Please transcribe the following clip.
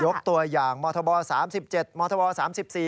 ยกตัวอย่างมศ๓๗มศ๓๔